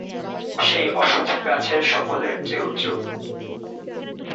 সেই অশথ গাছের সকলের চেয়ে উঁচু।